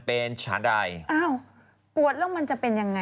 คือว่านี่เลย